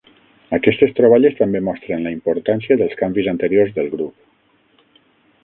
Aquestes troballes també mostren la importància dels canvis anteriors del grup.